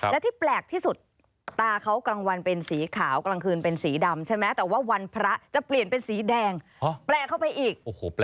และที่แปลกที่สุดตาเขากลางวันเป็นสีขาวกลางคืนเป็นสีดำใช่ไหมแต่ว่าวันพระจะเปลี่ยนเป็นสีแดงแปลกเข้าไปอีก